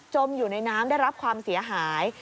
อยู่ในน้ำได้รับความเสียหาย